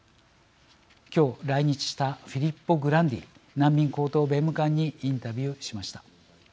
今日来日したフィリッポ・グランディ難民高等弁務官にインタビューしました。